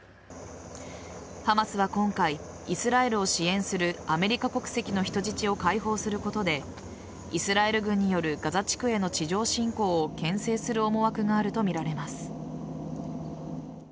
ハマスは今回イスラエルを支援するアメリカ国籍の人質を解放することでイスラエル軍によるガザ地区への地上侵攻をけん制する思惑があるとみられます。